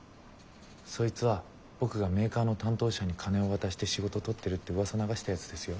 そいつは僕がメーカーの担当者に金を渡して仕事取ってるってうわさ流したやつですよ？